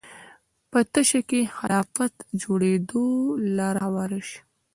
په تشه کې خلافت جوړېدو لاره هواره شي